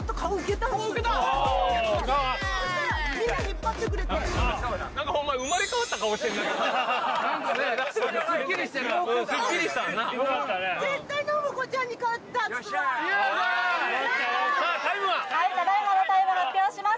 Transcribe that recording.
ただいまのタイム発表します